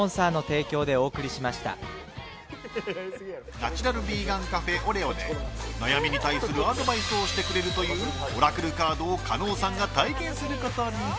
ナチュラルヴィーガンカフェオレオで悩みに対するアドバイスをしてくれるというオラクルカードを加納さんが体験することに。